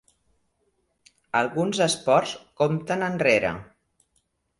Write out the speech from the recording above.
Alguns esports compten enrere.